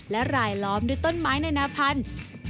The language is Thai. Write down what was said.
และรายล้อมด้วยต้นไม้นานาพันธุ์